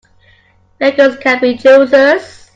Beggars can't be choosers.